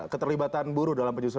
keterlibatan buruh dalam penyelidikan